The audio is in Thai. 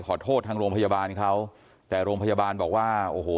ทางโรงพยาบาลเขาแต่โรงพยาบาลบอกว่าโอ้โห